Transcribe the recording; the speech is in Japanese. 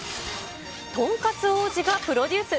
とんかつ王子がプロデュース。